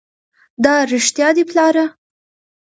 دا رښتيا دي پلاره!